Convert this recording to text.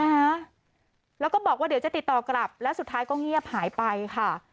นะคะแล้วก็บอกว่าเดี๋ยวจะติดต่อกลับแล้วสุดท้ายก็เงียบหายไปค่ะ